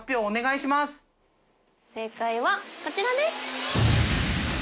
正解はこちらです。